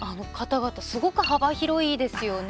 すごく幅広いですよね。